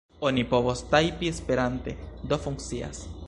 Oni povos tajpi esperante, do funkcias.